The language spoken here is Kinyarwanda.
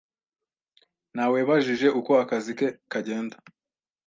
Nawebajije uko akazi ke kagenda.